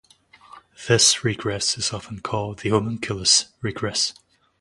This regress is often called the homunculus regress.